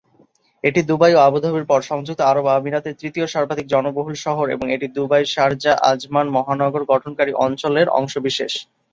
এটি দুবাই ও আবুধাবির পর সংযুক্ত আরব আমিরাতের তৃতীয় সর্বাধিক জনবহুল শহর এবং এটি দুবাই-শারজাহ-আজমান মহানগর গঠনকারী অঞ্চলের অংশ বিশেষ।